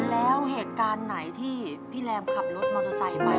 แล้วเหตุการณ์ไหนที่พี่แรมขับรถมอเตอร์ไซค์ไป